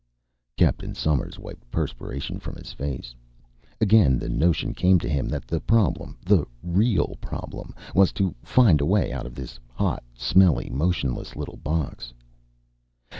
Captain Somers wiped perspiration from his face. Again the notion came to him that the problem the real problem was to find a way out of this hot, smelly, motionless little box.